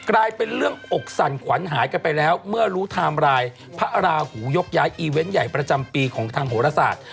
กลายเป็นเรื่องอกสั่นขวัญหายกันไปแล้วเมื่อรู้ไทม์ไลน์พระราหูยกย้ายอีเวนต์ใหญ่ประจำปีของทางโหรศาสตร์